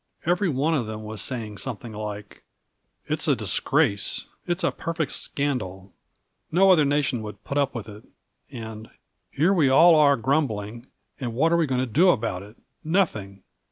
Every one of them was saying something like "It's a disgrace," "It's a perfect scandal," "No other nation would put up with it," and "Here we all are grumbling; and what are we going to do about it? Nothing.